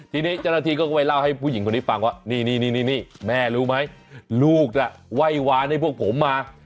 ทีนี้เจ้าหน้าที่ก็ไปเล่าให้ผู้หญิงคนนี้ฟังว่านี่แม่รู้ไหมลูกน่ะไหว้วานให้พวกผมมา